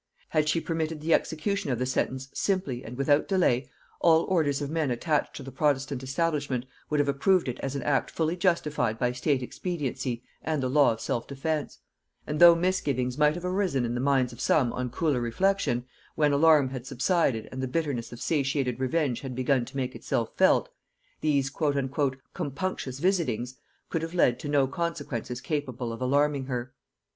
Had she permitted the execution of the sentence simply, and without delay, all orders of men attached to the protestant establishment would have approved it as an act fully justified by state expediency and the law of self defence; and though misgivings might have arisen in the minds of some on cooler reflection, when alarm had subsided and the bitterness of satiated revenge had begun to make itself felt, these "compunctious visitings" could have led to no consequences capable of alarming her.